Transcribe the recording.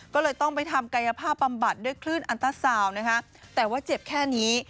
ก็เลยต้องไปทำกายภาพบำบัดด้วยคลื่นอันตราซาวน์นะคะแต่ว่าเจ็บแค่นี้